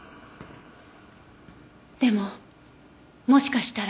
でももしかしたら。